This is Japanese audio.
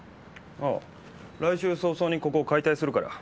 ああ来週早々にここ解体するから。